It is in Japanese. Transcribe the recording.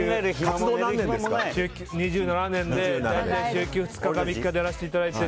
２７年で週休２日か３日でやらせていただいて。